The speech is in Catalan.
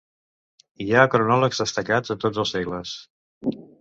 Hi ha cronòlegs destacats a tots els segles.